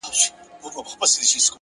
قناعت د ارام ذهن پټ راز دی,